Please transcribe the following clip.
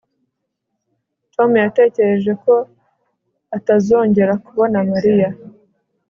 Tom yatekereje ko atazongera kubona Mariya